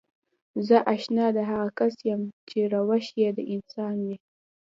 زه اشنا د هغه کس يم چې روش يې د انسان وي.